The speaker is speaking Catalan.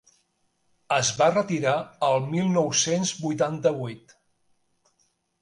Es va retirar el mil nou-cents vuitanta-vuit.